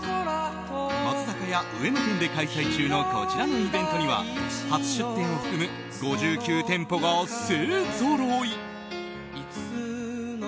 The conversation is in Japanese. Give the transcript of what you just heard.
松坂屋上野店で開催中のこちらのイベントには初出店を含む５９店舗が勢ぞろい。